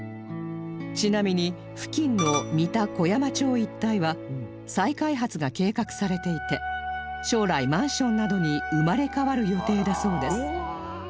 ちなみに付近の三田小山町一帯は再開発が計画されていて将来マンションなどに生まれ変わる予定だそうです